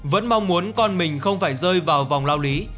vẫn mong muốn con mình không phải rơi vào vòng lao lý